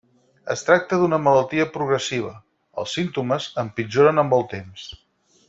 Es tracta d'una malaltia progressiva: els símptomes empitjoren amb el temps.